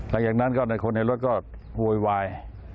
หลังจากนั้นก็ในคนในรถก็โวยวาย